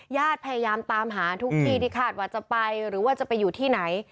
ญาติพยายามตามหาทุกที่ที่คาดว่าจะไปหรือว่าจะไปอยู่ที่ไหน